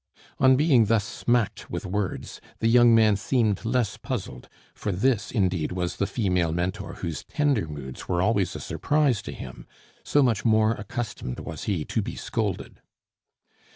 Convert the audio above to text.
On being thus smacked with words, the young man seemed less puzzled, for this, indeed, was the female Mentor whose tender moods were always a surprise to him, so much more accustomed was he to be scolded.